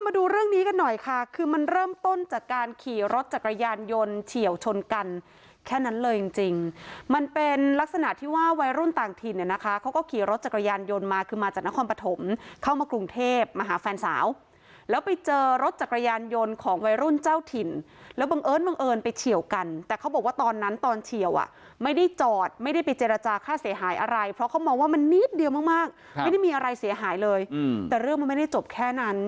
มาดูเรื่องนี้กันหน่อยค่ะคือมันเริ่มต้นจากการขี่รถจักรยานยนต์เฉี่ยวชนกันแค่นั้นเลยจริงจริงมันเป็นลักษณะที่ว่าวัยรุ่นต่างถิ่นเนี่ยนะคะเขาก็ขี่รถจักรยานยนต์มาคือมาจากนครปฐมเข้ามากรุงเทพมาหาแฟนสาวแล้วไปเจอรถจักรยานยนต์ของวัยรุ่นเจ้าถิ่นแล้วบังเอิญบังเอิญไปเฉี่ยวกันแต่เข